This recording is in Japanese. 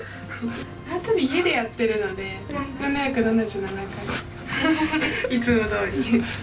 縄跳び、家でやっているので、７７７回、いつもどおり。